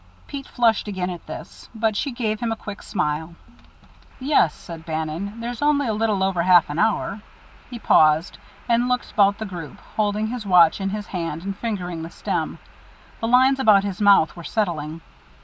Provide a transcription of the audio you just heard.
Pete flushed again at this, but she gave him a quick smile. "Yes," said Bannon, "there's only a little over half an hour." He paused, and looked about the group, holding his watch in his hand and fingering the stem. The lines about his mouth were settling.